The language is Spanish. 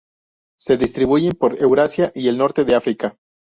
Se distribuyen por Eurasia y el norte de África.